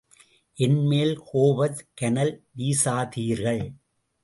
என் மேல் கோபக் கனல் வீசாதீர்கள்.